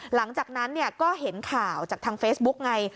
หลังจากนั้นก็เห็นข่าวจากทางเฟซบุ๊กไง